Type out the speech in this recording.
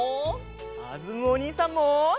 かずむおにいさんも！